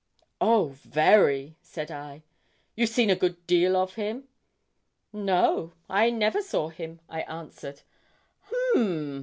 'Oh, very!' said I. 'You've seen a good deal of him?' 'No, I never saw him,' I answered.